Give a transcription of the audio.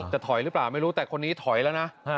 ถอยหรือเปล่าไม่รู้แต่คนนี้ถอยแล้วนะ